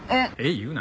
言うな。